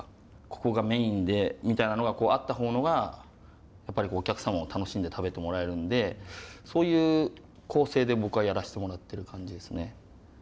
ここがメインでみたいなのがあった方のがやっぱりお客さんも楽しんで食べてもらえるんでそういう構成で僕はやらせてもらってる感じですね。